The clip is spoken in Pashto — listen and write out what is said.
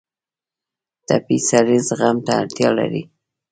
ټپي سړی زغم ته اړتیا لري.